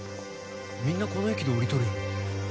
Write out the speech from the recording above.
みんなこの駅で降りとるやん。